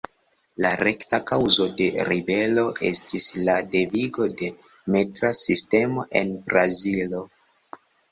La rekta kaŭzo de ribelo estis la devigo de metra sistemo en Brazilo.